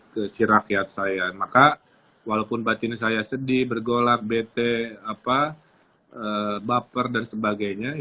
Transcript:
ke si rakyat saya maka walaupun batin saya sedih bergolak bete baper dan sebagainya